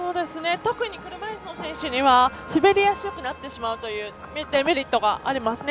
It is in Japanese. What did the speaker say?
特に車いすの選手には滑りやすくなってしまうというデメリットがありますね。